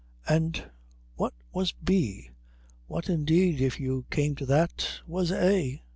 And what was B? What, indeed, if you came to that, was A?